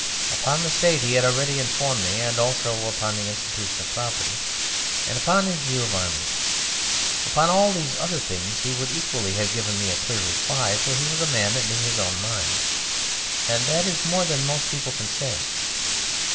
Upon the State he had already informed me, and also upon the institution of property, and upon his view of armies. Upon all those other things he would equally have given me a clear reply, for he was a man that knew his own mind, and that is more than most people can say.